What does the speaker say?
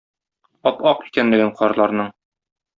Ап-ак икәнлеген карларның